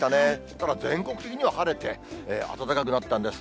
ただ全国的には晴れて、暖かくなったんです。